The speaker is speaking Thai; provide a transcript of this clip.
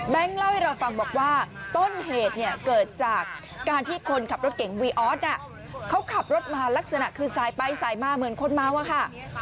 เล่าให้เราฟังบอกว่าต้นเหตุเนี่ยเกิดจากการที่คนขับรถเก่งวีออสเขาขับรถมาลักษณะคือสายไปสายมาเหมือนคนเมาอะค่ะ